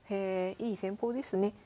いい戦法ですね。